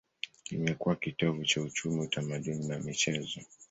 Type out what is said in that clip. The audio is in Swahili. Imekuwa kitovu cha uchumi, utamaduni na michezo.